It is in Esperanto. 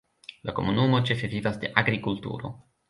La komunumo ĉefe vivas de agrikulturo.